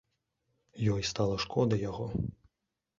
Ёй стала шкода яго.